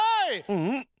うん？